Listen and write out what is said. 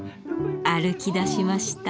歩きだしました！